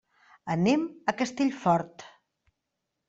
Anem a Castellfort.